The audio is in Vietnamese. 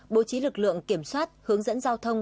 hai bộ trí lực lượng kiểm soát hướng dẫn giao thông